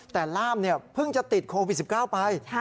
แต่ล่ามเพิ่งจะติดโควิด๑๙ไป